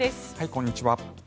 こんにちは。